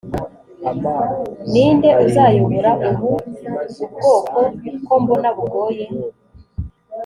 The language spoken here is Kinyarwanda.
ninde uzayobora ubu ubwoko kombona bugoye